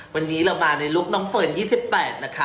วันนี้เรามาในลุคน้องเฟิร์น๒๘นะคะ